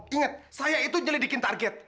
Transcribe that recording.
ingat saya itu nyelidikin target